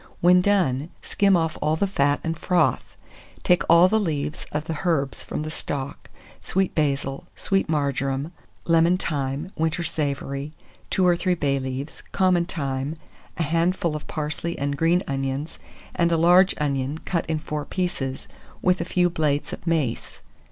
When done, skim off all the fat and froth. Take all the leaves of the herbs from the stock, sweet basil, sweet marjoram, lemon thyme, winter savory, 2 or 3 bay leaves, common thyme, a handful of parsley and green onions, and a large onion cut in four pieces, with a few blades of mace.